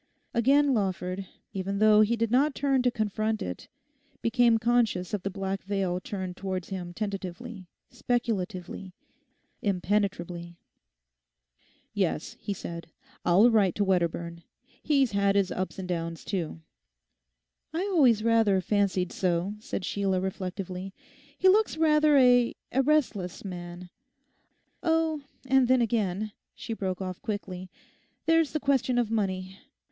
Again Lawford, even though he did not turn to confront it, became conscious of the black veil turned towards him tentatively, speculatively, impenetrably. 'Yes,' he said, 'I'll write to Wedderburn; he's had his ups and downs too.' 'I always rather fancied so,' said Sheila reflectively, 'he looks rather a—a restless man. Oh, and then again,' she broke off quickly, 'there's the question of money.